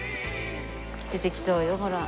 出てきそうよほら。